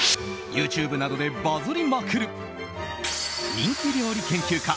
ＹｏｕＴｕｂｅなどでバズりまくる人気料理研究家